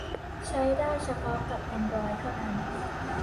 ใช้ได้เฉพาะกับแอนดรอยด์เท่านั้น